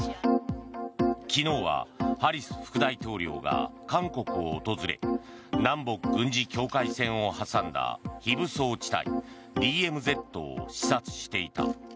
昨日はハリス副大統領が韓国を訪れ南北軍事境界線を挟んだ非武装地帯・ＤＭＺを視察していた。